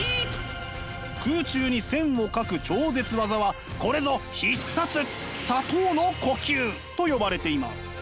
空中に線を描く超絶技はこれぞ必殺砂糖の呼吸！と呼ばれています。